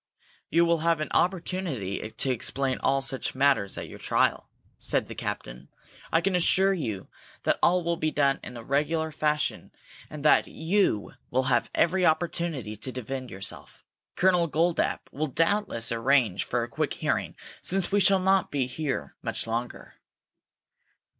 "You will have an opportunity to explain all such matters at your trial," said the captain. "I can assure you that all will be done in a regular fashion, and that you will have every opportunity to defend yourself. Colonel Goldapp will doubtless arrange for a quick hearing since we shall not be here much longer."